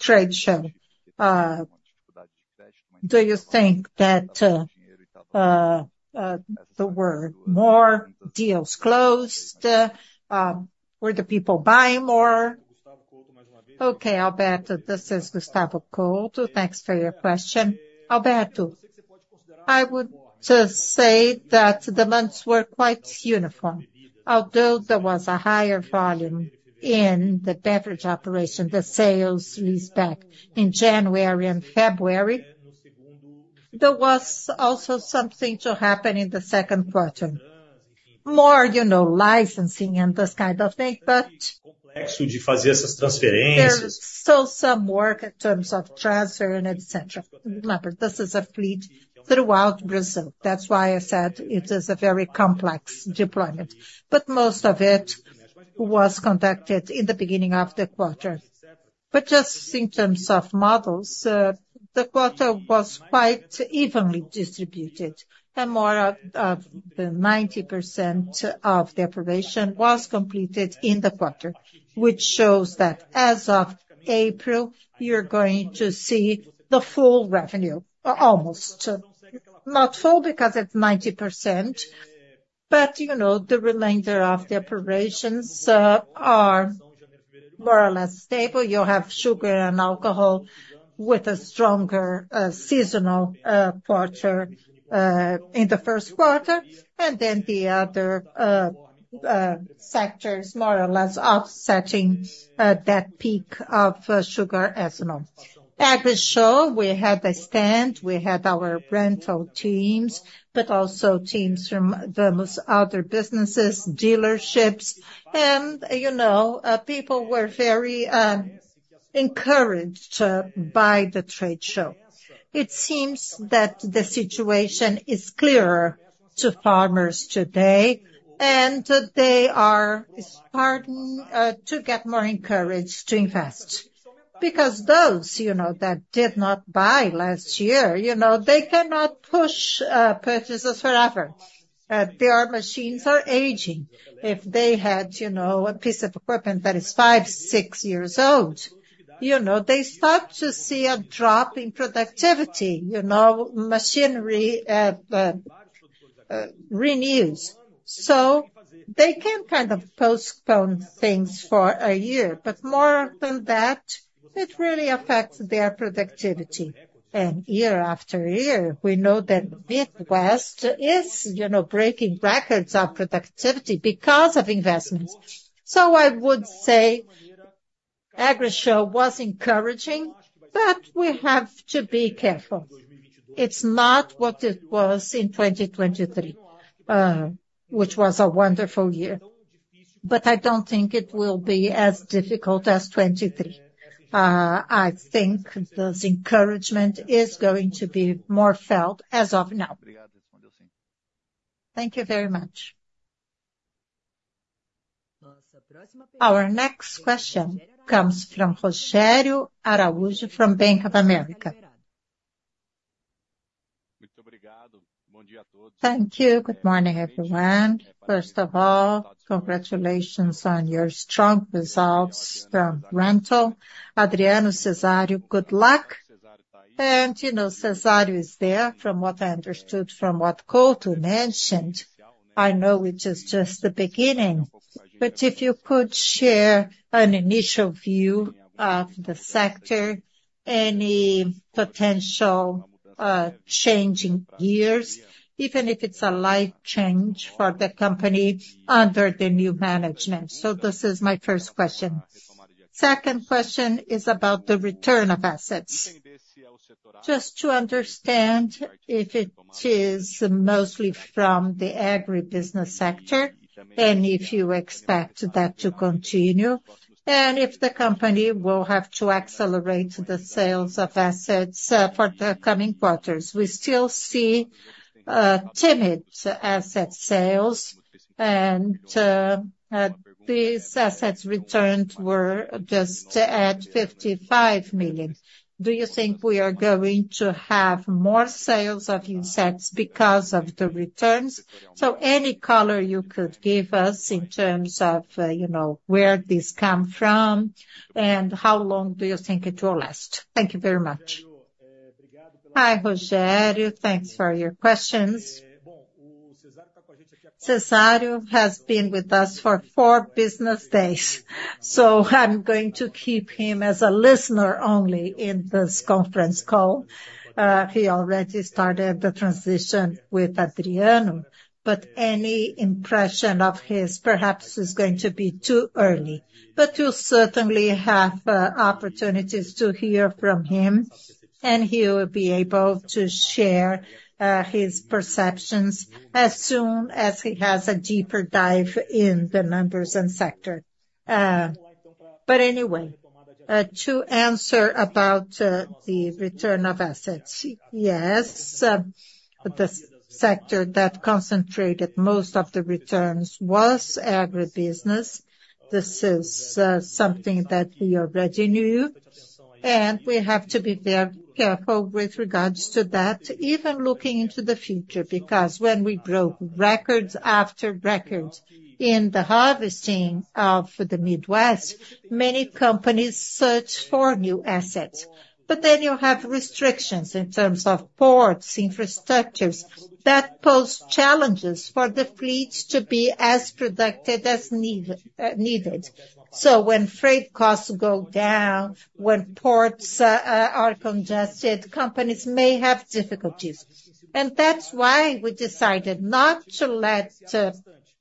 trade show. Do you think that, there were more deals closed? Were the people buying more? Okay, Alberto, this is Gustavo Couto. Thanks for your question. Alberto, I would just say that the months were quite uniform. Although there was a higher volume in the beverage operation, the sales lease back in January and February, there was also something to happen in the second quarter. More, you know, licensing and this kind of thing, but there's still some work in terms of transfer and et cetera. Remember, this is a fleet throughout Brazil. That's why I said it is a very complex deployment, but most of it was conducted in the beginning of the quarter. But just in terms of models, the quarter was quite evenly distributed, and more of the 90% of the operation was completed in the quarter, which shows that as of April, you're going to see the full revenue, or almost. Not full, because it's 90%, but, you know, the remainder of the operations are more or less stable. You have sugar and alcohol with a stronger seasonal quarter in the first quarter, and then the other sectors more or less offsetting that peak of sugar ethanol. Agrishow, we had a stand, we had our rental teams, but also teams from the most other businesses, dealerships, and, you know, people were very encouraged by the trade show. It seems that the situation is clearer to farmers today, and they are starting to get more encouraged to invest. Because those, you know, that did not buy last year, you know, they cannot push purchases forever. Their machines are aging. If they had, you know, a piece of equipment that is five, six years old, you know, they start to see a drop in productivity, you know, machinery renews. So they can kind of postpone things for a year, but more than that, it really affects their productivity. And year after year, we know that Midwest is, you know, breaking records of productivity because of investments. So I would say Agrishow was encouraging, but we have to be careful. It's not what it was in 2023, which was a wonderful year. But I don't think it will be as difficult as 2023. I think this encouragement is going to be more felt as of now. Thank you very much. Our next question comes from Rogério Araújo, from Bank of America. Thank you. Good morning, everyone. First of all, congratulations on your strong results from rental. Adriano, Cezário, good luck. And, you know, Cezário is there, from what I understood, from what Couto mentioned. I know it is just the beginning, but if you could share an initial view of the sector, any potential, changing gears, even if it's a light change for the company under the new management. So this is my first question. Second question is about the return of assets. Just to understand if it is mostly from the agribusiness sector, and if you expect that to continue, and if the company will have to accelerate the sales of assets for the coming quarters. We still see timid asset sales, and these assets returned were just at 55 million. Do you think we are going to have more sales of assets because of the returns? So any color you could give us in terms of, you know, where this come from, and how long do you think it will last? Thank you very much. Hi, Rogério. Thanks for your questions. Cezário has been with us for four business days, so I'm going to keep him as a listener only in this conference call. He already started the transition with Adriano, but any impression of his perhaps is going to be too early. But you'll certainly have opportunities to hear from him, and he will be able to share his perceptions as soon as he has a deeper dive in the numbers and sector. But anyway, to answer about the return of assets. Yes, the sector that concentrated most of the returns was agribusiness. This is something that we already knew, and we have to be very careful with regards to that, even looking into the future. Because when we broke records after records in the harvesting of the Midwest, many companies searched for new assets. But then you have restrictions in terms of ports, infrastructures, that pose challenges for the fleets to be as productive as needed. So when freight costs go down, when ports are congested, companies may have difficulties. That's why we decided not to let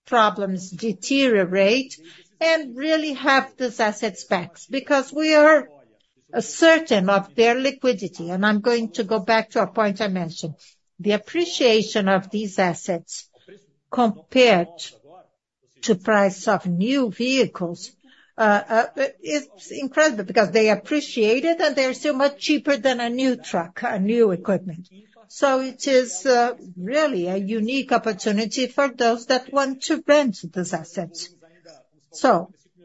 problems deteriorate, and really have these assets back, because we are certain of their liquidity. I'm going to go back to a point I mentioned. The appreciation of these assets compared to price of new vehicles, it's incredible, because they appreciate it, and they're still much cheaper than a new truck, a new equipment. It is really a unique opportunity for those that want to rent these assets.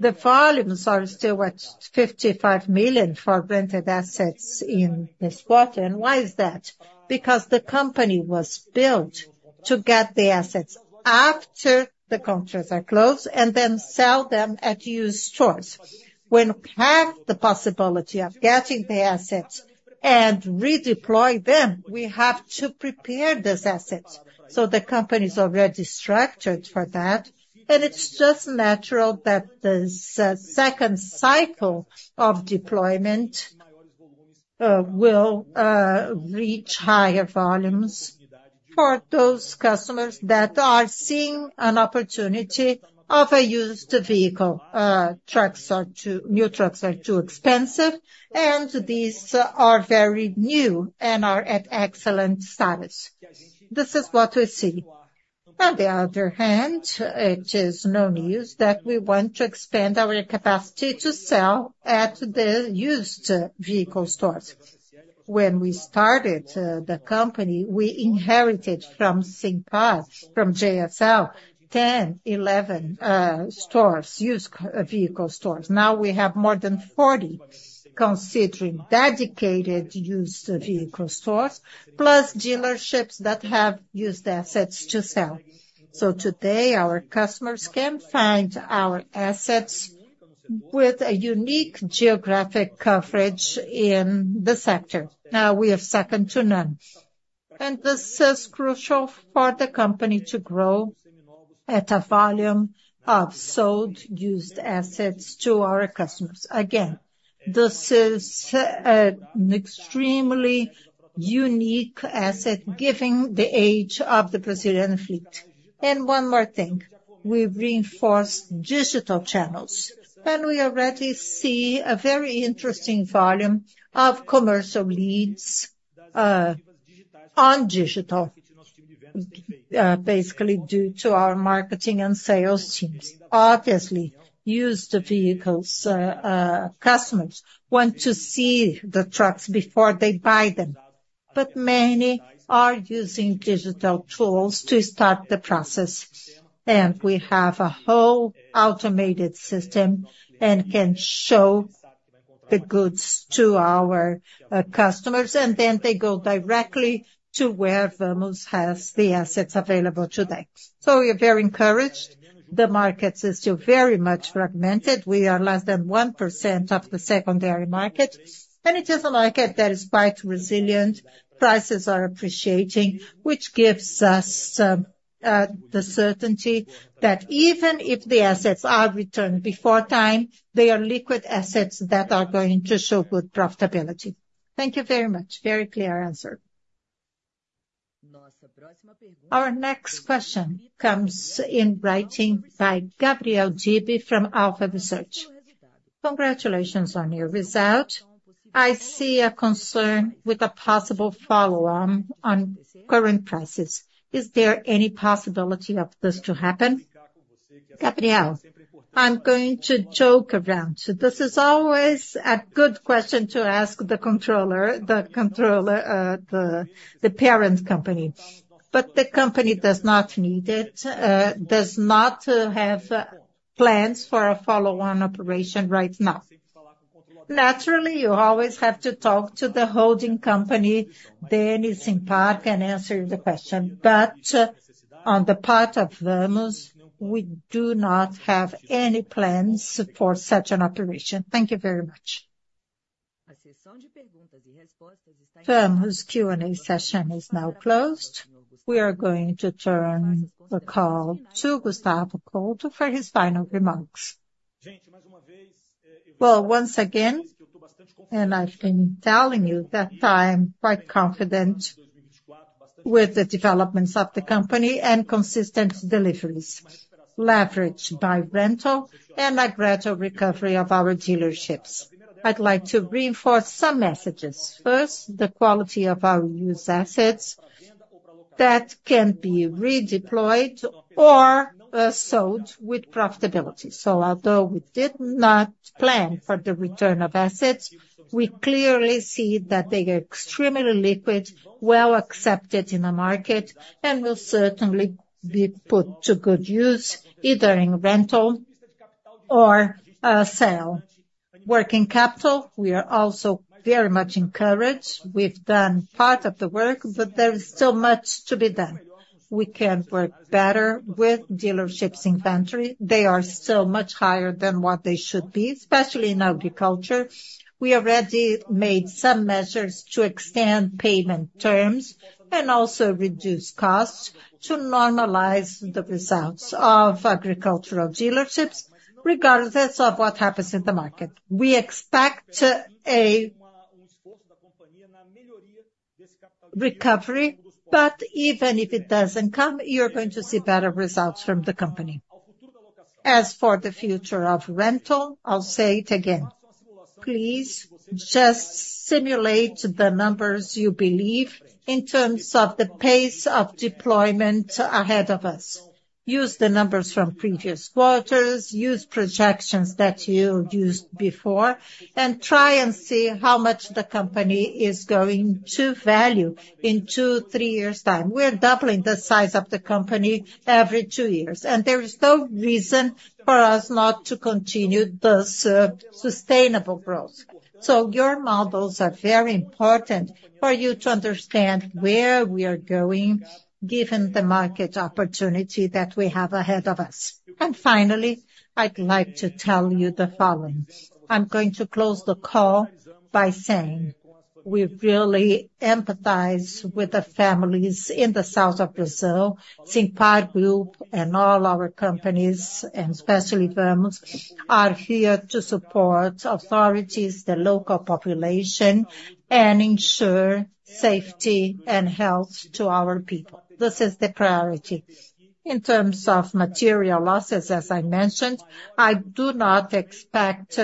The volumes are still at 55 million for rented assets in this quarter. Why is that? Because the company was built to get the assets after the contracts are closed, and then sell them at used stores. When we have the possibility of getting the assets and redeploy them, we have to prepare these assets, so the company is already structured for that. It's just natural that this second cycle of deployment will reach higher volumes for those customers that are seeing an opportunity of a used vehicle. New trucks are too expensive, and these are very new and are at excellent status. This is what we see. On the other hand, it is no news that we want to expand our capacity to sell at the used vehicle stores. When we started the company, we inherited from Simpar, from JSL, 10, 11 stores, used vehicle stores. Now we have more than 40, considering dedicated used vehicle stores, plus dealerships that have used assets to sell. So today, our customers can find our assets with a unique geographic coverage in the sector. Now, we are second to none. This is crucial for the company to grow at a volume of sold used assets to our customers. Again, this is an extremely unique asset, given the age of the Brazilian fleet. And one more thing, we've reinforced digital channels, and we already see a very interesting volume of commercial leads on digital, basically due to our marketing and sales teams. Obviously, used vehicles, customers want to see the trucks before they buy them, but many are using digital tools to start the process. And we have a whole automated system and can show the goods to our customers, and then they go directly to where Vamos has the assets available today. So we are very encouraged. The market is still very much fragmented. We are less than 1% of the secondary market, and it is a market that is quite resilient. Prices are appreciating, which gives us the certainty that even if the assets are returned before time, they are liquid assets that are going to show good profitability. Thank you very much. Very clear answer. Our next question comes in writing by Gabriel GB from Alfa Research. "Congratulations on your result. I see a concern with a possible follow-on on current prices. Is there any possibility of this to happen?" Gabriel, I'm going to joke around. This is always a good question to ask the controller, the controller, the parent company. But the company does not need it, does not have plans for a follow-on operation right now. Naturally, you always have to talk to the holding company, then Simpar can answer the question. But on the part of Vamos, we do not have any plans for such an operation. Thank you very much. Vamos' Q&A session is now closed. We are going to turn the call to Gustavo Couto for his final remarks. Well, once again, and I've been telling you that I am quite confident with the developments of the company and consistent deliveries, leveraged by rental and by rental recovery of our dealerships. I'd like to reinforce some messages. First, the quality of our used assets... that can be redeployed or sold with profitability. So although we did not plan for the return of assets, we clearly see that they are extremely liquid, well accepted in the market, and will certainly be put to good use, either in rental or sale. Working capital, we are also very much encouraged. We've done part of the work, but there is still much to be done. We can work better with dealerships inventory. They are still much higher than what they should be, especially in agriculture. We already made some measures to extend payment terms, and also reduce costs to normalize the results of agricultural dealerships, regardless of what happens in the market. We expect a recovery, but even if it doesn't come, you're going to see better results from the company. As for the future of rental, I'll say it again: please just simulate the numbers you believe in terms of the pace of deployment ahead of us. Use the numbers from previous quarters, use projections that you used before, and try and see how much the company is going to value in two, three years' time. We're doubling the size of the company every two years, and there is no reason for us not to continue this sustainable growth. So your models are very important for you to understand where we are going, given the market opportunity that we have ahead of us. And finally, I'd like to tell you the following. I'm going to close the call by saying we really empathize with the families in the South of Brazil. Simpar Group and all our companies, and especially Vamos, are here to support authorities, the local population, and ensure safety and health to our people. This is the priority. In terms of material losses, as I mentioned, I do not expect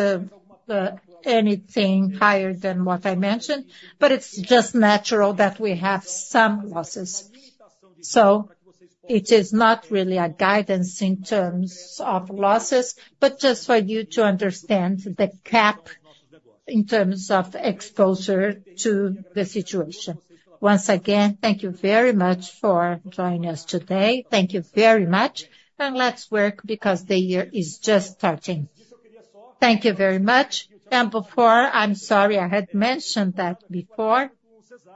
anything higher than what I mentioned, but it's just natural that we have some losses. So it is not really a guidance in terms of losses, but just for you to understand the cap in terms of exposure to the situation. Once again, thank you very much for joining us today. Thank you very much, and let's work because the year is just starting. Thank you very much. Before... I'm sorry, I had mentioned that before,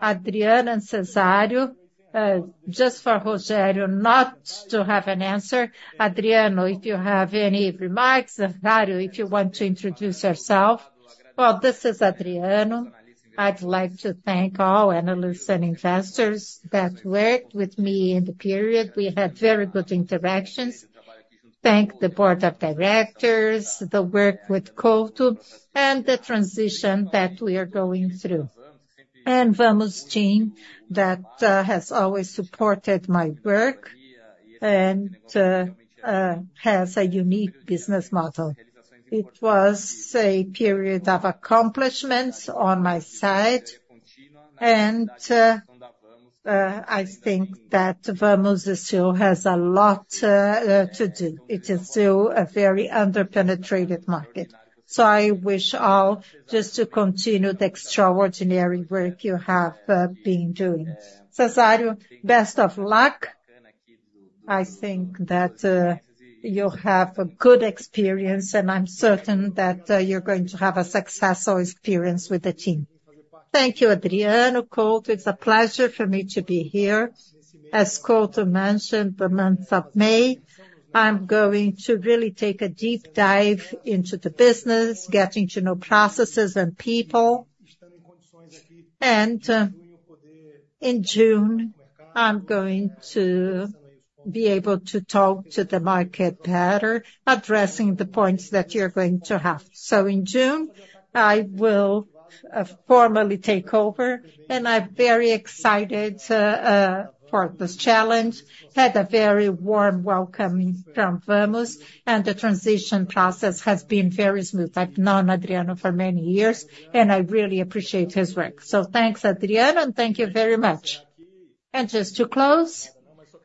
Adriano and Cezário, just for Rogério not to have an answer. Adriano, if you have any remarks, and Cezário, if you want to introduce yourself. Well, this is Adriano. I'd like to thank all analysts and investors that worked with me in the period. We had very good interactions. Thank the board of directors, the work with Couto, and the transition that we are going through. Vamos team, that, has always supported my work and, has a unique business model. It was a period of accomplishments on my side, and, I think that Vamos still has a lot, to do. It is still a very under-penetrated market. So I wish all just to continue the extraordinary work you have been doing. Cezário, best of luck. I think that you'll have a good experience, and I'm certain that you're going to have a successful experience with the team. Thank you, Adriano. Couto, it's a pleasure for me to be here. As Couto mentioned, the month of May, I'm going to really take a deep dive into the business, getting to know processes and people. And in June, I'm going to be able to talk to the market better, addressing the points that you're going to have. So in June, I will formally take over, and I'm very excited for this challenge. Had a very warm welcome from Vamos, and the transition process has been very smooth. I've known Adriano for many years, and I really appreciate his work. So thanks, Adriano, and thank you very much. And just to close,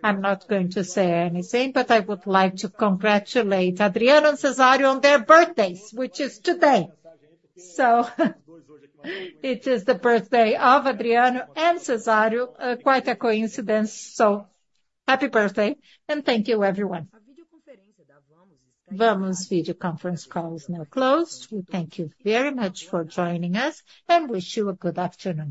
I'm not going to say anything, but I would like to congratulate Adriano and Cezário on their birthdays, which is today. So it is the birthday of Adriano and Cezário. Quite a coincidence, so happy birthday, and thank you, everyone. Vamos video conference call is now closed. We thank you very much for joining us, and wish you a good afternoon.